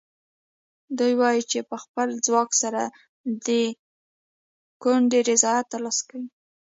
دوی وایي چې په خپل ځواک سره د کونډې رضایت ترلاسه کوي.